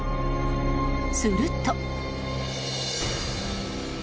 すると。